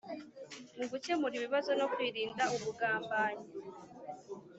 mu gukemura ibibazo no kwirinda ubugambanyi